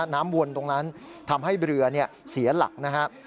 วนตรงนั้นทำให้เรือเสียหลักนะครับ